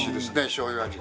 しょうゆ味。